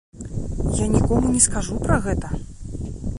Я нікому не скажу пра гэта.